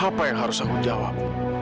apa yang harus aku jawab